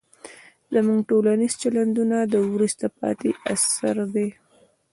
زموږ ټولنیز چلندونه د وروسته پاتې عصر دي.